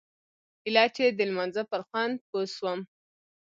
ايله چې د لمانځه پر خوند پوه سوم.